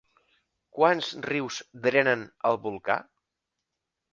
Quants rius drenen el volcà?